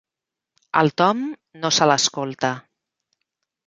El Tom no se l'escolta.